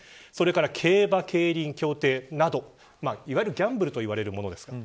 それから競馬、競輪、競艇などいわゆるギャンブルと言われるものです。